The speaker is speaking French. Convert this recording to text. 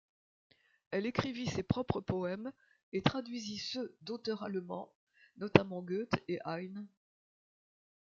Elle écrivit ses propres poèmes, et traduisit ceux d'auteurs allemands, notamment Goethe et Heine.